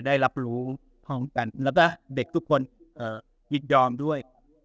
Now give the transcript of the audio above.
ได้รับรู้พร้อมกันแล้วก็เด็กทุกคนยินยอมด้วย